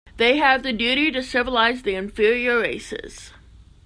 They have the duty to civilize the inferior races.